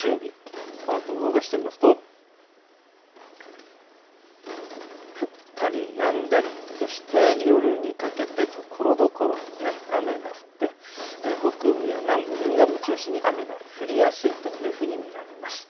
このあと動かすと降ったりやんだりそして夜にかけてところどころ、雨が降って北部や南部、沿岸部を中心に雨が降りやすいと見られます。